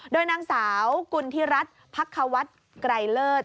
โดยนางสาวกุณธิรัตน์พักควัตรไกรเลิศ